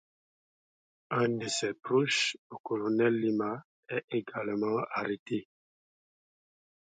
Un de ses proches, le colonel Lima, est également arrêté.